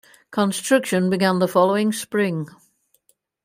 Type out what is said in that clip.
Construction began the following spring.